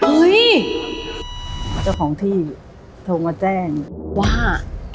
เฮ้ยเจ้าของที่โทรมาแจ้งว่า